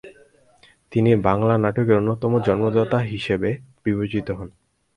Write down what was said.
তিনি বাংলা নাটকের অন্যতম জন্মদাতা হিসাবে বিবেচিত হন।